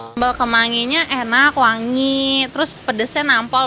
sambal kemanginya enak wangi terus pedesnya nampel